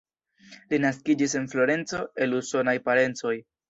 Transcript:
Li naskiĝis en Florenco el usonaj parencoj.